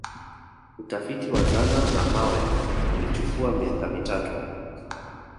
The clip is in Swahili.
Utafiti wa zana za mawe ulichukua miaka mitatu